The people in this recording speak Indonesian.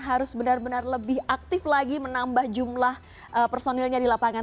harus benar benar lebih aktif lagi menambah jumlah personilnya di lapangan